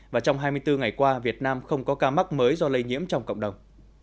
và trong hai mươi bốn ngày qua việt nam không có ca mắc mới do lây nhiễm trong cộng đồng